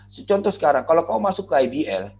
sejujurnya sekarang kalau kamu masuk ke ibl